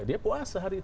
dia puasa hari itu